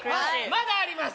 まだあります